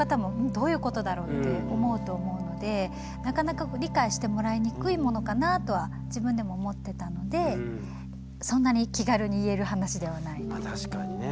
どういうことだろうって思うと思うのでなかなか理解してもらいにくいものかなとは自分でも思ってたのでそんなにまあ確かにね。